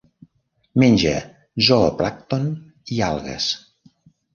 Menja zooplàncton i algues.